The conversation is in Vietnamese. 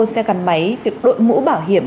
xe gắn máy việc đội mũ bảo hiểm